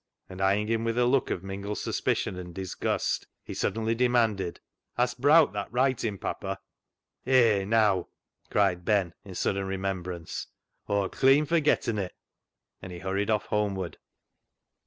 And eyeing him with a look of mingled suspicion and disgust, he suddenly demanded —" Hast browt that writin' papper ?"*' Hey, neaw !" cried Ben in sudden remem brance ;" Aw'd cleean forgetten it," and he hurried off homeward.